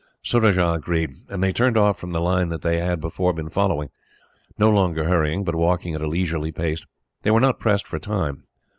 Surajah agreed, and they turned off from the line that they had before been following; no longer hurrying, but walking at a leisurely pace. They were not pressed for time.